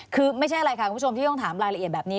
คือไม่ใช่อะไรค่ะคุณผู้ชมที่ต้องถามรายละเอียดแบบนี้